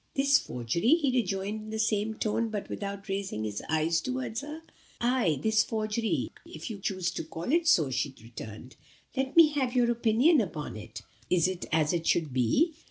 "This forgery?" he rejoined in the same tone, but without raising his eyes towards her. "Ay, this forgery, if you choose to call it so," she returned. "Let me have your opinion upon it? Is it as it should be?